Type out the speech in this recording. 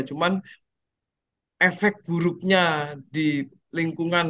cuman efek buruknya di lingkungan